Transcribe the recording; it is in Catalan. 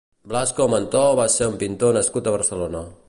Blasco Mentor va ser un pintor nascut a Barcelona.